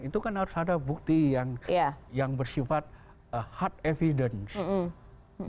itu kan harus ada bukti yang bersifat hard evidence